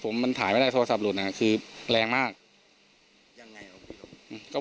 ผมมันถ่ายไม่ได้โทรศัพท์หลุดน่ะคือแรงมากยังไงเขา